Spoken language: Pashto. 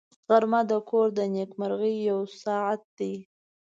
غرمه د کور د نېکمرغۍ یو ساعت دی